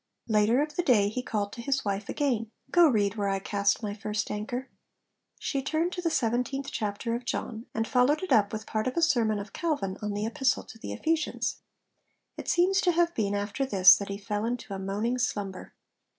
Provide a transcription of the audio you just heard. Later of the day he called to his wife again, 'Go read where I cast my first anchor!' She turned to the seventeenth chapter of John, and followed it up with part of a sermon of Calvin on the Epistle to the Ephesians. It seems to have been after this that he fell into a moaning slumber.